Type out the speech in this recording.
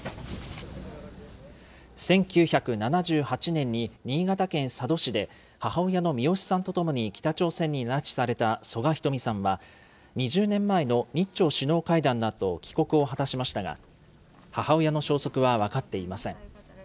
１９７８年に新潟県佐渡市で、母親のミヨシさんと共に北朝鮮に拉致された曽我ひとみさんは、２０年前の日朝首脳会談のあと帰国を果たしましたが、母親の消息は分かっていません。